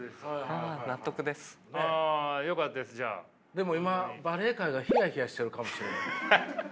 でも今バレエ界がヒヤヒヤしてるかもしれない。